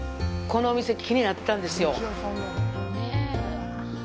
このお店、気になってたんですよ。